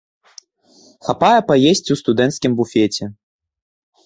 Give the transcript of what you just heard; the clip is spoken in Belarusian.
Хапае паесці ў студэнцкім буфеце.